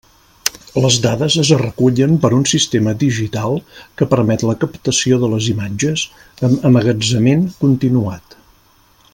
Les dades es recullen per un sistema digital que permet la captació de les imatges, amb emmagatzemament continuat.